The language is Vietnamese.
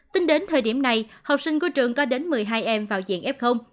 tính đến thời điểm này học sinh của trường có đến một mươi hai em vào diện f